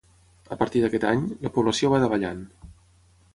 A partir d'aquest any, la població va davallant.